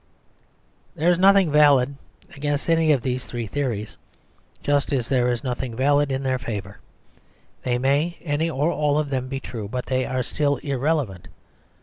There is nothing valid against any of these three theories, just as there is nothing valid in their favour; they may, any or all of them, be true, but they are still irrelevant.